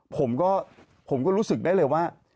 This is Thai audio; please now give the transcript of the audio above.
ผมก็ผมก็รู้สึกได้เลยว่า